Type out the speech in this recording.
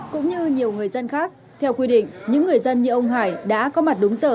cũng như nhiều người dân khác theo quy định những người dân như ông hải đã có mặt đúng giờ